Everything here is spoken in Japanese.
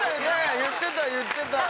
言ってた言ってた。